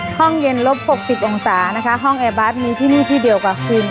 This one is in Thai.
ห้องเย็นลบ๖๐องศานะคะห้องแอร์บัสมีที่นี่ที่เดียวกับคุณ